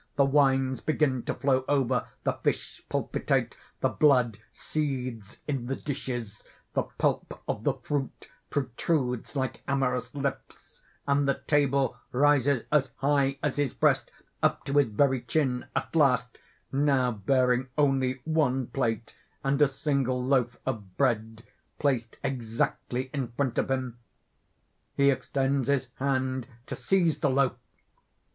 The wines begin to flow over the fish palpitate the blood seethes in the dishes the pulp of the fruit protrudes like amorous lips and the table rises as high as his breast, up to his very chin at last now bearing only one plate and a single loaf of bread, placed exactly in front of him._ _He extends his hand to seize the loaf.